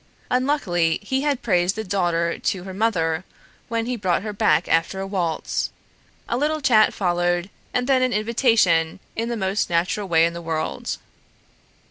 Unluckily, he had praised the daughter to her mother when he brought her back after a waltz, a little chat followed, and then an invitation in the most natural way in the world.